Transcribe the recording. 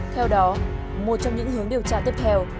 theo đó một trong những hướng điều tra tiếp theo